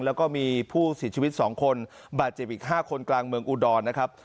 แล้วก็มีผู้เสียชีวิต๒คนบาดเจ็บอีก๕คนกลางเมืองอุดรนะครับ